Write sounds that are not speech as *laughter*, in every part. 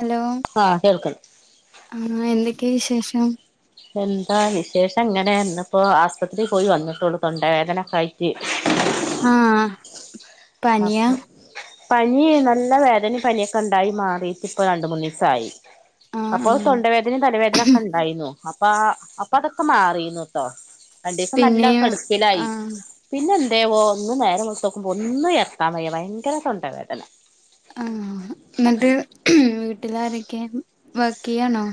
Hello ആഹ് കേൾക്കുന്നു ആഹ് എന്തൊക്കെ വിശേഷം? എന്താ വിശേഷംങ്ങനെ ഇന്ന്പ്പോ ആസ്പത്രി പോയി വന്നിട്ടോള്ളൂ തൊണ്ടവേദനോക്കായിട്ട് ആഹ് പനിയാ അപ്പോ പനി നല്ല വേദനേം പനിയൊക്കെണ്ടായി മാറിട്ട് ഇപ്പ രണ്ട് മൂന്നീസായി. ആഹ് അപ്പോ ആഹ് തൊണ്ടവേദനേം തലവേദനൊക്കെണ്ടായിന്നു. അപ്പ അപ്പ അതൊക്കെ മാറീന്നുട്ടോ. രണ്ടീസം നല്ല പിന്നെ കെടുപ്പലായി ആഹ് പിന്നെ എന്തേവോ? ഇന്ന് നേരം വെളുത്തോക്ക്മ്പോ ഒന്നും എറക്കാൻ വയ്യ. ഭയങ്കര തൊണ്ട വേദന. ആഹ് ന്നട്ട് വീട്ടിൽ ആരൊക്കെ? വർക്കിയ്യാണോ?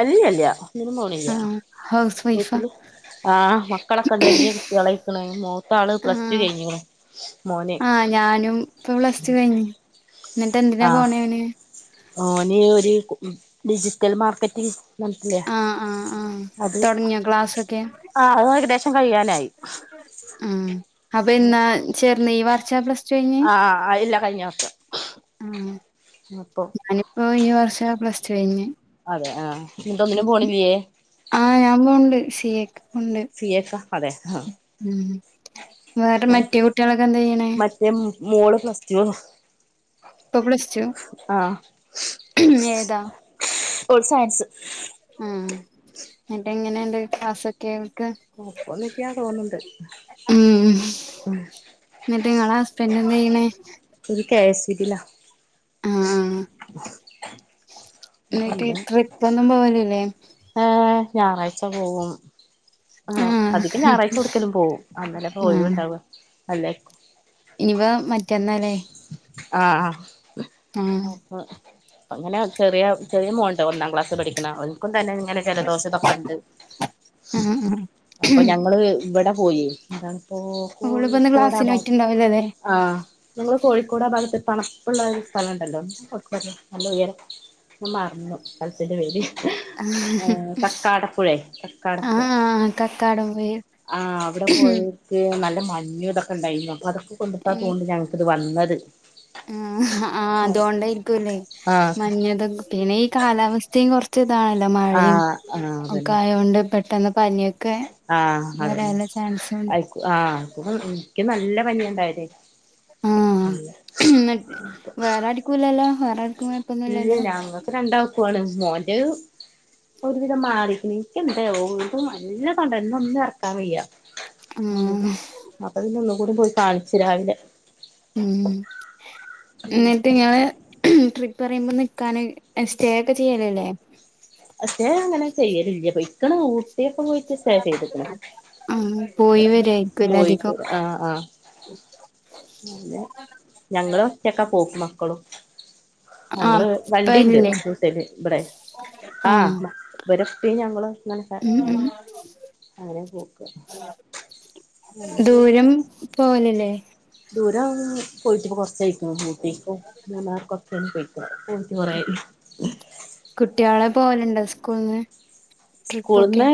അല്ലില്ല്യ ഒന്നിനും പോണില്ല ആഹ് ഹൗസ് വൈഫാ വീട്ടില് ആഹ് മക്കളൊക്കണ്ട് വല്യ കുട്ടികളായ്ക്കണ് മൂത്ത ആള് പ്ലസ് ടു ആഹ് കഴിഞ്ഞിക്ണു. മോന് ആഹ് ഞാനും ഇപ്പൊ പ്ലസ് ടു കഴിഞ്ഞ് എന്നിട്ട് എന്തിനാ ആഹ് പോണെ അവന് ഓന് ഒര് ഡിജിറ്റൽ മാർക്കറ്റി മനസിലേ ആഹ് ആഹ് ആഹ് അത് തുടങ്ങിയോ ക്ലാസ്സൊക്കെ ആഹ് അത് ഏകദേശം കഴിയാനായി. ആ അപ്പൊ ഇന്ന് ചേർന്നെ ഈ വർഷ പ്ലസ് ടു കഴിഞ്ഞ് ആഹ് ഇല്ല കഴിഞ്ഞ വർഷം ഉം അപ്പൊ ഞാനിപ്പൊ ഈ വർഷ പ്ലസ് ടു കഴിഞ്ഞ് അതെ ആഹ് എന്നിട്ടൊന്നിനും പോണില്ല്യേ? ആഹ് ഞാൻ പോണ്ണ്ട് സി എക്ക് പോണ്ട് സിയെക്ക അതെ ആഹ് വേറെ മറ്റേ കുട്ട്യോളൊക്കെ എന്താ ചെയ്യണെ? മറ്റേ മോള് പ്ലസ്ടു ഇപ്പ പ്ലസ്ടു ഏതാ? ഓൾ സയൻസ് ആഹ് എന്നിട്ട് എങ്ങനെണ്ട് ക്ലാസ് കേൾക്ക് ഒപ്പന്നില്ല തോന്നുന്നുണ്ട് ഉം എന്നിട്ട് ഇങ്ങളെ ഹസ്ബൻഡെന്തായ്യ്ണെ? ഓര് കെ എസ് സിബില ആഹ് എന്നിട്ട് ഒന്ന് ട്രിപ്പ് ഒന്നും പോവലില്ലെ ഏഹ് ഞായറാഴ്ച പോവും. ആഹ് അതികം ഞായറാഴ്ച ഏവ്ടക്കേലും പോവും അന്നലെപ്പൊ ഒഴിവുണ്ടാവ അല്ലെ ഇനിവ മറ്റന്നാല്ലേ ആഹ് ആഹ് അപ്പ അങ്ങനെ ചെറിയ ചെറിയ മോള്ണ്ട ഒന്നാ ക്ലാസ്സി പഠിക്കണ ഓനിക്കും തന്നെ ഇങ്ങനെ ജലദോഷ ഇതൊക്കെണ്ട് ആഹ് ആ ഇവിടെ പോയി ഇനിപ്പോ ഓളിപ്പോ ഇന്ന് ക്ലാസ്സിന് കോഴിക്കോടാഭാ പോയിട്ടുണ്ടാവില്ലല്ലേ ആഹ് നമ്മള് കോഴിക്കോട് ആ ഭാഗത്ത് തണുപ്പുള്ള ഒരുസ്ഥലണ്ടല്ലോ നല്ല ഉയരം ഞാമറന്നു സ്ഥലത്തിന്റെ പേര് ആഹ് കക്കാടപ്പുഴെ തക്കാടപ്പുഴ ആഹ് കക്കാടം ആഹ് അവിടെ പോയി പൊയിൽ നല്ല മഞ്ഞു ഇതൊക്കെ ഇണ്ടായിന്നു അപ്പൊ അതൊക്കെ കൊണ്ടിട്ടാതോന്ന്ണ്ട് ഞങ്ങക്ക് ഇത് വന്നത് ആഹ് ആഹ് അതൊണ്ടായിരിക്കുല്ലേ മഞ്ഞുതൊ പിന്നെ ഈ കാലാവസ്ഥയും കൊറച്ച് ച്ചിതാണല്ലോ മഴയും ആഹ് ആഹ് ഒക്കെ അതന്നെ ആയൊണ്ട് പെട്ടെന്ന് പനിയൊ ആഹ് അതെ ഐക്കു ആഹ് എനിക്ക് നല്ല പനിയോണ്ടായത് ആഹ് നല്ല എന്നിട്ട് വേറാരിക്കു ഇല്ലാല്ലൊ വേറെ ഇല് കുഴപ്പൊന്നുംല്ലല്ലോ ഞങ്ങ രണ്ടാക്കുവാണ് മോന്റെ ഒരുവിധം മാറിക്കണ് എനിക്കെന്തേവൊ ഇപ്പ നല്ല തൊണ്ട ഇന്ന് ഒന്നും എറ്ക്കാൻ വയ്യ അങ്ങനെ ആഹ് അപ്പൊ പിന്നെ ഒന്നും കൂടി പോയി കാണിച്ചു രാവിലെ. ഉം ഉം എന്നിട്ട് ഞാൻ ട്രിപ്പ് പറയുമ്പോ നിക്കാന് സ്റ്റേ ഒക്കെ ചെയ്യലല്ലേ. സ്‌റ്റേ അങ്ങനെ ചെയ്യലില്ല. പൊയ്ക്കണ് ഊ ട്ടിയൊക്കെ പോയപ്പോ സ്‌റ്റേ ചെയ്തക്കണ്. ആഹ് പോയി ഇവിടന്ന് വരായിരിക്കുംല്ലേ അധികം കോയിക്കോട് ആഹ് ആഹ്. അങ്ങനെ ഞങ്ങള് ഒറ്റക്കാ പോക്ക് മക്കളും. ആഹ് ഞങ്ങള് വണ്ടീണ്ട് ഇപ്പല്ലേ വീട്ടല് ഇപടെ. ആഹ് ഇപരെ ഉപ്പിം ഞങ്ങള് ഇങ്ങനൊക്കെ. ഉം ഉം ഞങ്ങളും അങ്ങനെ പോക്ക്. ദൂരം പോവലില്ലേ? ദൂരം പോയിട്ട് ഇപ്പോ കൊറച്ചായേക്കണ്, ഊട്ടിക്കും മൂന്നാർക്കൊക്കയാണ് പോയിക്കണെ അപ്പം. ബോറയി കുട്ടികള് പോവലുണ്ടോ സ്കൂളിന്ന്? സ്കൂളിന്ന്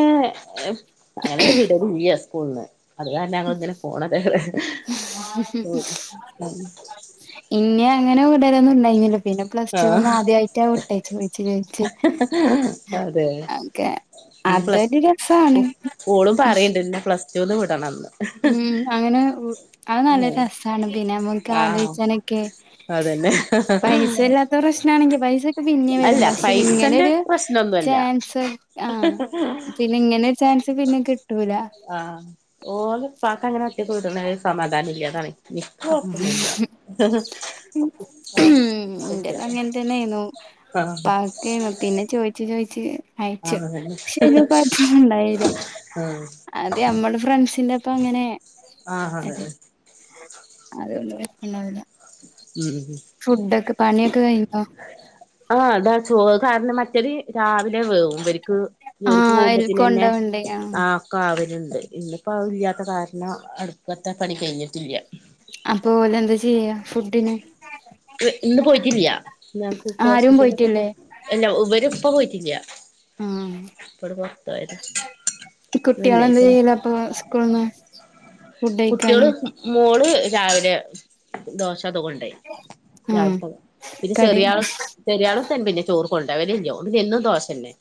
ഏഹ് അങ്ങനെ എങ്ങാട്ടും വിടുലില്ല സ്കൂളിന്ന്. അത് കാരണം ഞങ്ങള് ഇങ്ങനെ പോണത്, ഉം. ഇന്നെ അങ്ങനെ വിടലൊന്നും ഇണ്ടായിരുന്നില്ല. പിന്നെ പ്ലസ് ടുന്ന് ആഹ് ആദ്യയിട്ടാ വിട്ടയച്ചത് ചോദിച്ചു ചോദിച്ചു, അതെ അതെ. ഇനി പ്ലസ് ഓഹ് ഓളും പറയണ്ട് എന്നെ പ്ലസ് ടുവിന് വിടണോന്ന്. ഉം അങ്ങനെ ഉം അത് നല്ല രസ മാണ് പിന്നെ നമുക്ക് ആഹ് ആലോചിച്ചാനൊക്കെ അതന്നെ പൈസ ഇല്ലാത്ത പ്രശ്നാണെങ്കിൽ പൈസ. പിന്നെ വരും അല്ല പക്ഷെ പൈസന്റെ ഇങ്ങനൊരു പ്രശ്നൊന്നുല്ല ചാൻസ് ആഹ് പിന്നെ. ഇങ്ങനെയൊരു ചാൻസ് പിന്നെ കിട്ടൂല. ആഹ് ഓള് ഉപ്പാക്ക് അങ്ങനെ ഒറ്റയ്ക്ക് വിടണത് സമാധാനം ഇല്ല അതാണ് എനിക്ക് കുഴപ്പൊന്നുല്ല. ഉപ്പാക്ക് സുഖമില്ല അതാ. ഉം ഉപ്പാക്കാണ് പിന്നെ ചോയിച്ചു ചോയിച്ച്. അയച്ചു ആഹ് അതന്നെ പക്ഷെ കുഴപ്പൊന്നുണ്ടായില്ല, അത് നമ്മടെ ഫ്രണ്ട്സ്. എൻ്റെ ഒപ്പ അങ്ങനെ ആഹ് ആഹ് അത് അതന്നെ അതുകൊണ്ട് കുഴപ്പൊണ്ടാവൂല. ഉം ഫുഡ്ഡൊക്കെ പണിയൊക്കെ കഴിഞ്ഞോ? ആഹ് അതാ ചോറ് കാരണം മട്ടരി രാവിലെ വേവും ഇവരെക്ക്. ജോലിക്ക് ആഹ് അയില് പോകുമ്പോത്തിന് തന്നെ കൊണ്ടോവണ്ടേ ആഹ്. ക്കാവലുണ്ട്, ഇന്ന് ഇപ്പെ ഇല്ലാത്ത കാരണം അടുപ്പത്തെ പണി കഴിഞ്ഞിട്ടില്ല. അപ്പൊ ഓല് എന്താ ചെയ്യാ ഫുഡിന്? ഇന്ന് പോയിട്ടില്ല ഞങ്ങക്ക് ആരും ഹോസ്പിറ്റലിലൊക്കെ ഇപ്പൊ പോയിട്ടില്ലേ അല്ല ഇവര് ഇപ്പൊ പോയിട്ടില്ല. ആഹ് *unintelligible* പൊറത്ത് പോയതാ. കുട്ടികള് എന്താ വെള്ളിയാഴ്ച എളുപ്പം സ്കൂളിന്ന് ഫുഡ് കഴിക്കാ. കുട്ടികള് മോള് രാവിലെ ദോശ അതുകൊണ്ടോയ്. രാവിലെ ആഹ് ഇപ്പോ പിന്നെ കടേ ചെറിയ ആള്. ചെറിയാള് തൻ പിന്നെ ചോറ് കൊണ്ടോവലില്ല അതുകൊണ്ട് എന്നും ദോശ തന്നെ,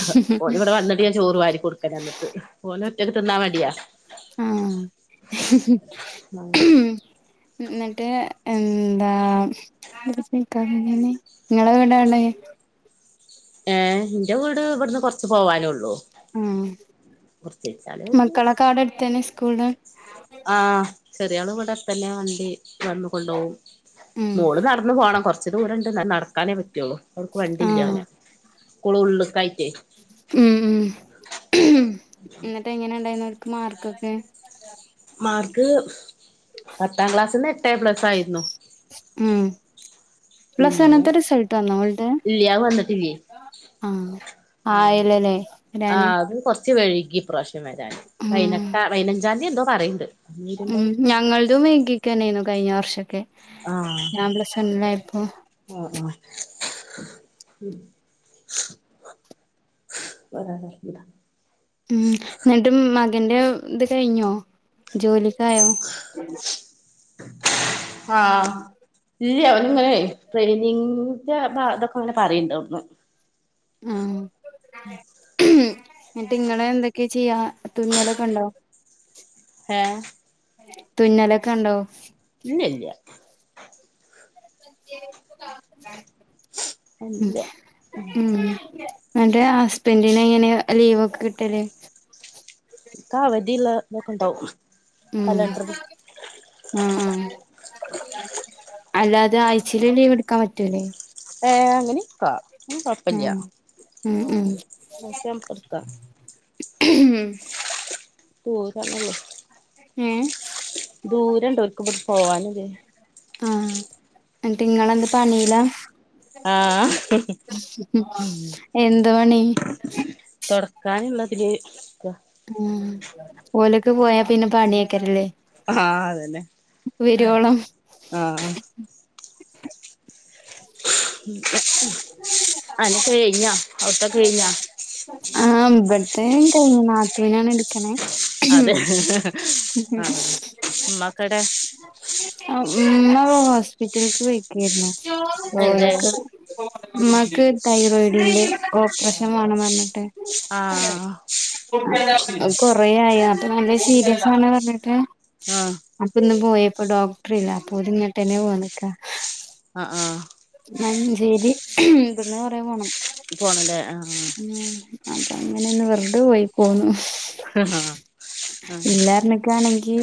ഓഹ് ഓന് ഇവിടെ വന്നി ട്ട് ചോറ് വാരി കൊടുക്കലാണ് എന്നിട്ട് ഓന് ഒറ്റക്ക് തിന്നാൻ മടിയാ. ആഹ് ഉം എന്നിട്ട് എന്താ. പിടിച്ചു നിൽക്കാൻ പിന്നെയല്ലേ, നിങ്ങള് എവിടാണ്. ഏഹ് എന്റെ വീട് ഇവിടുന്ന് കുറച്ച് പോവാനുള്ളൂ. ആഹ് ഒരു മക്കളൊക്കെ അവിടെ അടുത്ത് തന്നെ സ്കൂള്. ആഹ് ചെറിയാള് ഇവിടെ തന്നെയാ വണ്ടി. വന്നുകൊണ്ടു പോവും, ഉം മോള് നടന്നു പോണം കൊറച്ച്. ഇച്ചിരി ദൂരമുണ്ട് എന്നാല് നടക്കാനേ പറ്റുള്ളൂ, അവർക്ക് വണ്ടിയില്ല ആഹ് അങ്ങനെ സ്കൂള് ഉള്ളക്കൊയിട്ടേ. ഉം ഉം എന്നിട്ട് എങ്ങനെ ഉണ്ടായിരുന്നു അവർക്ക് മാർക്ക് ഒക്കെ. മാർക്ക് പത്താം ക്ലാസിന്ന് എട്ട് എ പ്ലസ് ആയിരുന്നു. ഉം പ്ലസ് വണ്ണുത്തെ റിസൾട്ട്‌ വന്നോ ഓളുടെ. ഇല്ല്യാ വന്നിട്ടില്ല്യ, ഉം ആയില്ലല്ലേ വരാന് ആഹ് അത് കൊറച്ച്. ഇച്ച് വൈകി ഇപ്രാവശ്യം വരാൻ ഉം പൈയിനെട്ടോ പൈയിനഞ്ച് തീയതി എന്തോ പറയണ്ട്. ഉം അന്നേരുണ്ടാവും ഞങ്ങൾതും വൈകിക്കെന്നേനു കഴിഞ്ഞ വർഷയൊക്കെ, ആഹ് ഞാൻ പ്ലസ് വണ്ണിൽ ആയിപ്പോ. ആഹ് ആഹ് ഉം പറയാൻ പറ്റും. ഉം എന്നിട്ടും മകന്റെ ഇത് കഴിഞ്ഞോ, ജോലിക്കായോ? ആഹ് ഇല്ല അവൻ ഇങ്ങനെ ട്രെയിനിങ്ങന്റെ അതൊക്കെ അങ്ങനെ പറയണ്ടോന്ന് ആഹ് എന്നിട്ട് ഇങ്ങളെ എന്തൊക്കെ ചെയ്യാ തുന്നലൊക്കെ ഉണ്ടോ ഏഹ് തുന്നലൊക്കെ ഉണ്ടോ? ഇല്യ ഇല്യ ഉം ഇല്ല ഉം അന്റെ ഹസ്ബന്റിന് എങ്ങനെ ലീവ് ഒക്കെ കിട്ടൽ *unintelligible* വധിയുള്ള ഉം ആഹ് ആഹ് അല്ലാതെ ആഴ്ചൽ ലീവ് എടുക്കാൻ പറ്റൂല്ലേ ഏഹ് അങ്ങനി ഇക്കാ ഉം ഉം ഉം പക്ഷെ നമുക്ക് എടുക്കാം *inaudible* ഓ തല്ലല്ലോ ഏഹ് ദൂരണ്ട ഓൽക്കുമ്പോ പോവാനേ ആഹ് എന്നിട്ട് ഇങ്ങളെന്ത് പണില ആഹ് എന്ത് പണി തൊടക്കാൻള്ളതിൽ ഉം ഓലൊക്കെ പോയാ പിന്നെ പണിയേക്കരല്ലേ ആഹ് അതന്നെ ആഹ് അന കഴിഞ്ഞാ അഉട്ത്തോക്കെ കഴിഞ്ഞാ ആഹ് ഇവിട്ത്തെ കഴഞ്ഞ നാത്തൂനാണ് എടുക്കണേ അതെ ആഹ് ഉമ്മക്കടെ ആഹ് ഉമ്മ ഹോസ്പിറ്റൽക്ക് പോയി ക്കേര്ന്നു ജോലി എന്ത് ഒക്കെ ഉമ്മക്ക് തൈറോയിഡിന്റെ ഓപ്പറഷൻ വേണം പറഞ്ഞിട്ട് ആഹ് കൊറേയായി അപ്പൊ നല്ല സീരിയസാണ് പറഞ്ഞിട്ട് ആഹ് അപ്പന്ന് പോയപ്പൊ ഡോക്ടർ ഇല്ല അപ്പൊ ഇത് ഇങ്ങട്ടന്നെ പോന്നക്കാ ഹേ ആഹ് ആഹ് മഞ്ചേരി ഇവിടുന്ന് കൊറേ പോണം പോണല്ലേ ആഹ് ഉം അപ്പൊ അങ്ങനെന്ന് വെർതെ പോയി പോന്നു ഹെഹാ ഹാഹ കണെങ്കി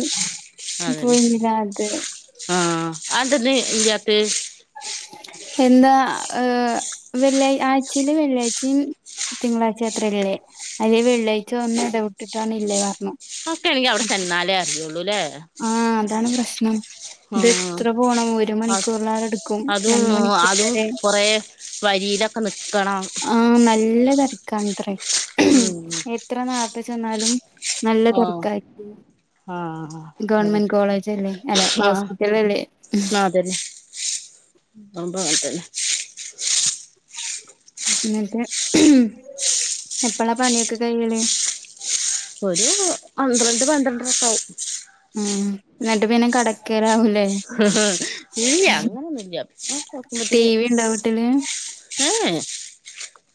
പോയിന്നില്ലാത് ആന്തന്ന് ല്യാത്തെ എന്താ ഏഹ് വെള്ളിയ ആഴ്ച്ചയില് വെള്ളിയാഴ്ച്ചിം തിങ്കളാഴ്ചയത്രരേല്ലേ അല്ലേ വെള്ളിയാഴ്ച ഒന്ന് ഇടവിട്ടിട്ടാണ് ഇല്ലേ പറഞ്ഞു ക്കെണെങ്കിൽ അവിടെ അപ്പൊ ചെന്നാലേ അറിയുള്ളൂല്ലേ ആഹ്! അതാണ് പ്രശ്നം. ആഹ് ഇതത്രെ പോണം ഒരു അത് മണിക്കൂറിലേറെ എടുക്കും. രണ്ടു മണിക്കൂർ വരെ കുറേ വരിയിലൊക്കെ നിക്കണം. ആഹ്! നല്ല തിരക്കാണ്ടറേ ഉം. എത്ര നേരത്തെ ചെന്നാലും നല്ല ആഹ് തിരക്കായിരിക്കും. ആഹ് അതെ ഗവൺമെന്റ് കോളേജ് അല്ലേ അല്ല ആഹ് ഹോസ്പിറ്റലല്ലേ? *unintelligible* എന്നിട്ട് എപ്പോളാ പണിയൊക്കെ കഴിയല്? ഒരു പന്ത്രണ്ട് പന്ത്രണ്ടര ഒക്കെ ആവും. ഉം. എന്നിട്ട് പിന്നെ കിടക്കലാവും. ഇല്ല അങ്ങനൊന്നുമില്ല. നോക്കുമ്പോഴത്തേനു. ണ്ടോ വീട്ടില്?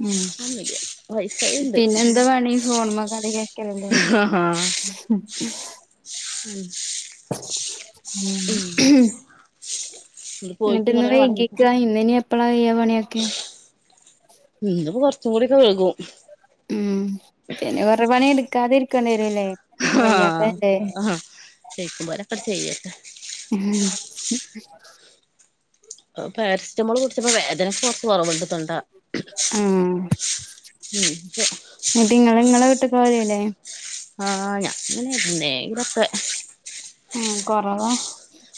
ഉം. ഒന്നുല്ല വൈഫൈ ഉണ്ട് പിന്നെന്ത പണി ഫോണ് മ്മ കളിക ആഹാ *unintelligible* *unintelligible* ഉം! ഇന്ന് പോയിട്ട് എന്നിട്ട് ഇന്ന് ഇങ്ങട് മടങ്ങിപ്പോ വൈകിക്ക? ഇന്ന് ഇനി എപ്പളാ കയ്യ്യ പണിയൊക്കെ? ഇന്നു ഇപ്പോ കുറച്ചു കൂടിയൊക്കെ വൈകും! ഉം. പിന്നെ കൊറെ പണിയെടുക്കാതെ ഇരിക്കേണ്ടി വരുല്ലേ? ആഹ്! ഹ ശരിക്കും പോലൊക്കെ ചെയ്യാം. ഉം. പാരസെറ്റമോള് കുടിച്ചപ്പോ വേദനക്ക് കൊറച്ച് കൊറവുണ്ട് തൊണ്ട. ആഹ് ഉം. ശരി! എന്നിട്ട് ഇങ്ങള് ഇങ്ങളെ വീട്ട്ക്ക് പോവലില്ലേ ആഹ്! ഞാൻ ഇങ്ങനെ അന്നേ ഇതൊക്കെ? ഉം. കൊറവാ!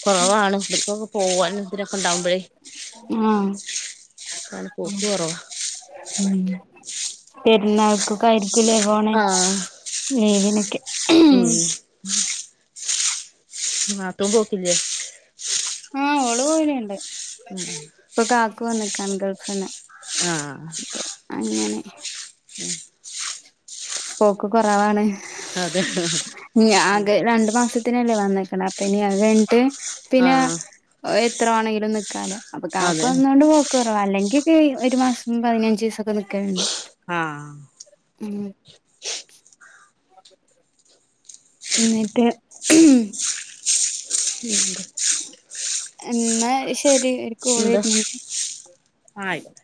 കൊറവാണ്. ട്രിപ്പൊക്കെ പോകാനും ഇതിനൊക്കെ ഉണ്ടാകുമ്പോഴേ! ഉം കാരണം പോക്ക് കൊറവാ ഉം! പെരുന്നാൾകൊക്കായിരു പിന്നെ പോണം ആഹ് ലീവിനൊക്കെ! ഉം നാത്തൂൻ പോക്കില്ലേ ആഹ്! ഓള് പോവലുണ്ട്! ഉം ഇപ്പൊ കാക്കു വന്നിക്കണ് ഗൾഫിന്ന്. ആഹ്! അങ്ങനെ! *unintelligible* പോക്ക് കൊറവാണ്. അതെ ഞാ ആകെ രണ്ട് മാസ ത്തിനല്ലേ വന്നിക്കണെ. അപ്പ ഇനി അത് കഴിഞ്ഞിട്ട് പിന്നെ ആഹ് എത്ര വേണെങ്കിലും നിൽക്കാലോ. അപ്പൊ കാക്കു അതെ വന്നോണ്ട് പോക്ക് കൊറ അല്ലെങ്കിയക്കെ ഒരു മാസം പതിനഞ്ച് ദിവസൊക്കെ നിക്കല്ണ്ട്. ആഹ് *unintelligible* ന്നിട്ട്? *unintelligible* എന്നാ ശരി ഒരു കോളു വരുന്നുണ്ട്. ആയിക്കോട്ടെ